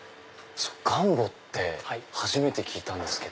ガンボって初めて聞いたんですけど。